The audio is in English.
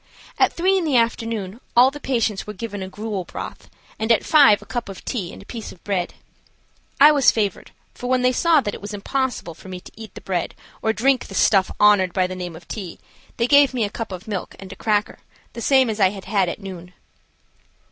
At three in the afternoon all the patients were given a gruel broth, and at five a cup of tea and a piece of bread. I was favored; for when they saw that it was impossible for me to eat the bread or drink the stuff honored by the name of tea, they gave me a cup of milk and a cracker, the same as I had had at noon.